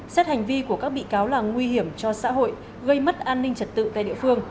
xét hành vi của các bị cáo là nguy hiểm cho xã hội gây mất an ninh trật tự tại địa phương